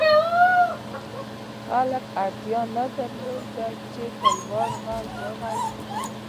خلکو اړتیا نه درلوده چې په لوړ غږ وغږېږي